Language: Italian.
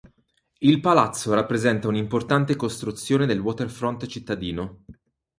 Il palazzo rappresenta un importante costruzione del "waterfront" cittadino.